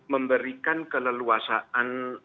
memberikan keleluasaan untuk membuka wacana